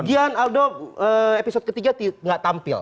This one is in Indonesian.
gian aldo episode ketiga nggak tampil